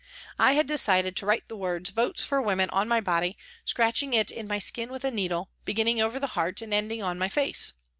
I had decided to write the words " Votes for Women " on my body, scratching it in my skin with a needle, beginning over the heart and ending it on my face.